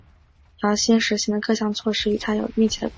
姚兴实行的各项措施与他有密切的关系。